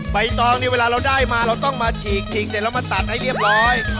ใบตองเวลาเราได้มาเราต้องมาฉีกฉีกแต่เรามาตัดให้เรียบร้อย